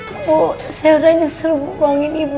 ibu saya sudah nyesel bohong ini ibu